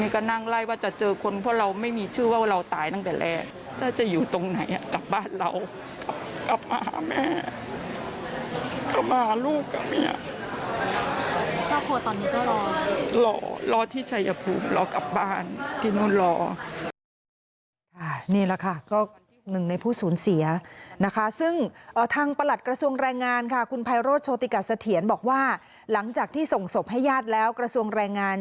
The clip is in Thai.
ขอให้กลับบ้านที่มันรอ